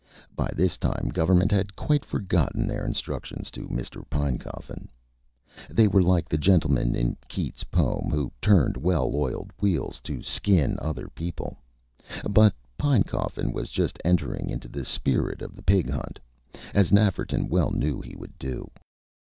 By this time, Government had quite forgotten their instructions to Mr. Pinecoffin. They were like the gentlemen, in Keats' poem, who turned well oiled wheels to skin other people. But Pinecoffin was just entering into the spirit of the Pig hunt, as Nafferton well knew he would do.